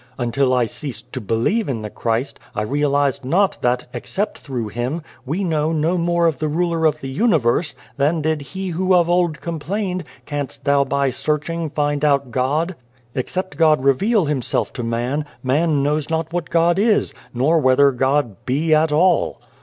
Until I ceased to believe in the Christ, I realised not that, except through Him, we know no more of the Ruler of the Universe, than did he who of old complained, ' Canst thou by searching, find out God?' 194 and the Devil " Except God reveal Himself to man, man knows not what God is, nor whether God be, at all.